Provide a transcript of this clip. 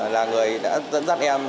là người đã dẫn dắt em